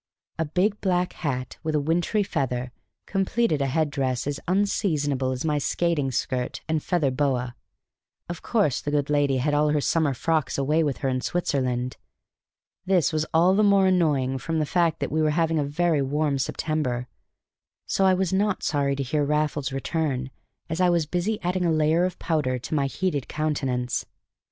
A big black hat with a wintry feather completed a headdress as unseasonable as my skating skirt and feather boa; of course, the good lady had all her summer frocks away with her in Switzerland. This was all the more annoying from the fact that we were having a very warm September; so I was not sorry to hear Raffles return as I was busy adding a layer of powder to my heated countenance.